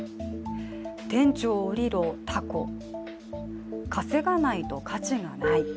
「店長降りろ、タコ」「稼がないと価値がない」